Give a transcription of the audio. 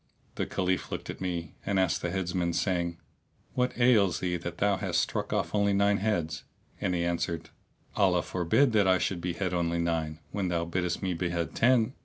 The Caliph looked at me and asked the Heads man, saying, "What ails thee that thou hast struck off only nine heads?"; and he answered, "Allah forbid that I should behead only nine, when thou biddest me behead ten!"